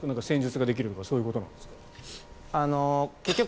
戦術ができるとかそういうことなんですか？